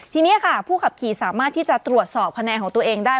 ทีนี้ค่ะผู้ขับขี่สามารถที่จะตรวจสอบคะแนนของตัวเองได้